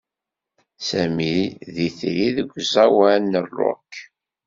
Sami d itri deg uẓawan n urock.